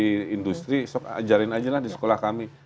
apa sih yang ada di industri ajarin aja lah di sekolah kami